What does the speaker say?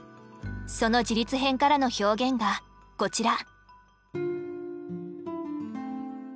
その自立篇からの表現がこちら。